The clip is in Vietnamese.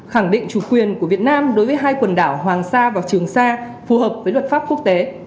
khẳng định chủ quyền của việt nam đối với hai quần đảo hoàng sa và trường sa phù hợp với luật pháp quốc tế